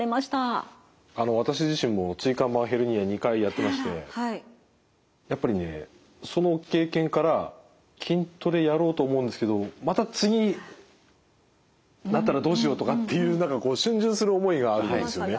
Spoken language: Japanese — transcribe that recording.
私自身も椎間板ヘルニア２回やってましてやっぱりねその経験から筋トレやろうと思うんですけどまた次なったらどうしようとかっていう何かしゅん巡する思いがあるんですよね。